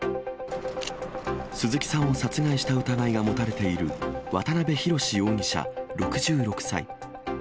鈴木さんを殺害した疑いが持たれている渡辺宏容疑者６６歳。